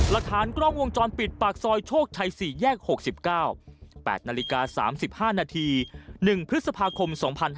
หลักฐานกล้องวงจรปิดปากซอยโชคชัย๔แยก๖๙๘นาฬิกา๓๕นาที๑พฤษภาคม๒๕๕๙